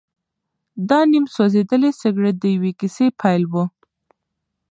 دا نیم سوځېدلی سګرټ د یوې کیسې پیل و.